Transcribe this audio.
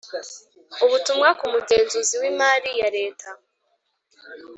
Ubutumwa kumugenzuzi wimari yareta